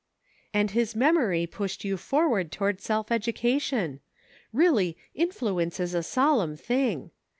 " And his memory pushed you forward toward self education. Really, influence is a solemn thing.